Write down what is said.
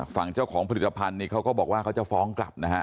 ฝั่งเจ้าของผลิตภัณฑ์เขาบอกว่าเขาจะฟ้องกลับ